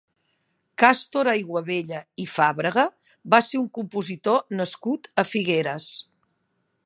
Càstor Aiguabella i Fàbrega va ser un compositor nascut a Figueres.